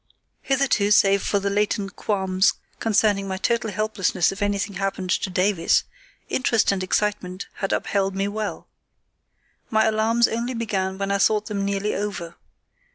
Hitherto, save for the latent qualms concerning my total helplessness if anything happened to Davies, interest and excitement had upheld me well. My alarms only began when I thought them nearly over.